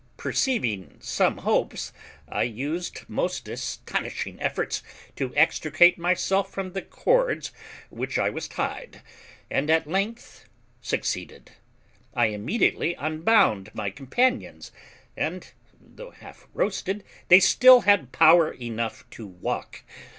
Perceiving some hopes, I used most astonishing efforts to extricate myself from the cords which I was tied, and at length succeeded. I immediately unbound my companions, and though half roasted, they still had power enough to walk.